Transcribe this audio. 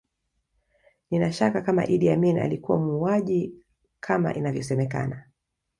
Nina shaka kama Idi Amin alikuwa muuaji kama inavyosemekana